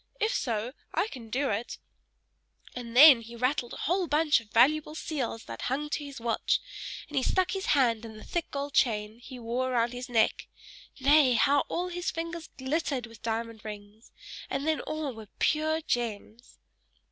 If so, I can do it"; and then he rattled a whole bunch of valuable seals that hung to his watch, and he stuck his hand in the thick gold chain he wore around his neck nay! how all his fingers glittered with diamond rings; and then all were pure gems.